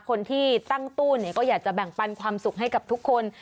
คนที่ตั้งตู้เนี่ยก็อยากจะแบ่งปันความสุขให้กับทุกคน